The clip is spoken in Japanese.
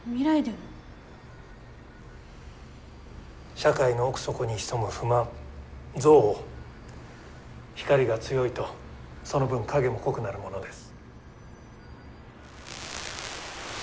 社会の奥底に潜む不満憎悪光が強いとその分影も濃くなるものです。